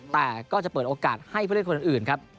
แต่ก็จะเปิดโอกาสให้ผู้เล่นคนอื่นครับ